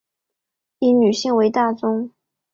以女性为大宗